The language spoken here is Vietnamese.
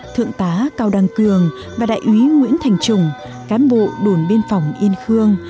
thượng tá cao đăng cường và đại úy nguyễn thành trùng cán bộ đồn biên phòng yên khương